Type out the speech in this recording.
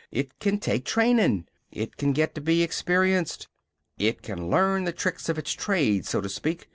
It can take trainin'. It can get to be experienced. It can learn the tricks of its trade, so to speak.